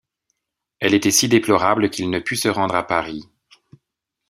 Elle était si déplorable qu'il ne put se rendre à Paris.